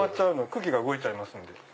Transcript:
空気が動いちゃいますんで。